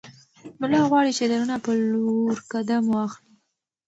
ملا غواړي چې د رڼا په لور قدم واخلي.